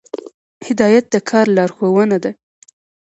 هدایت د کار لارښوونه ده